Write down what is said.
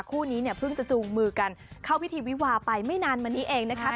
คู่นี้เนี่ยเพิ่งจะจูงมือกันเข้าพิธีวิวาไปไม่นานมานี้เองนะคะ